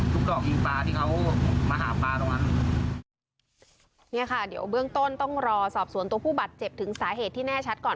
กรอกยิงปลาที่เขามาหาปลาตรงนั้นเนี่ยค่ะเดี๋ยวเบื้องต้นต้องรอสอบสวนตัวผู้บาดเจ็บถึงสาเหตุที่แน่ชัดก่อน